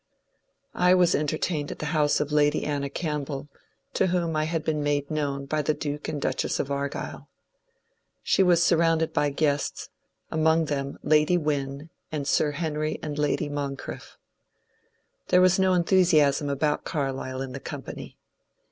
I was entertained at the house of Lady Anna Campbell, to whom I had been made known by the Duke and Duchess of Argyll. She was surrounded by guests, — among them Lady Wynne and Sir Henry and Lady Moncrieff. There was no enthusiasm about Carlyle in the company.